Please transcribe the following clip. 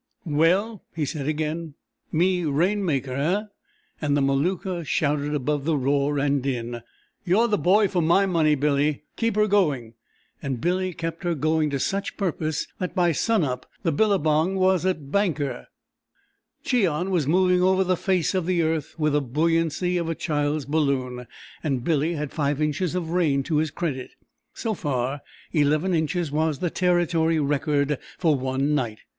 "Well?" he said again, "Me rainmaker, eh?" and the Maluka shouted above the roar and din: "You're the boy for my money, Billy! Keep her going!" and Billy kept her going to such purpose that by sun up the billabong was a banker, Cheon was moving over the face of the earth with the buoyancy of a child's balloon, and Billy had five inches of rain to his credit. (So far, eleven inches was the Territory record for one night).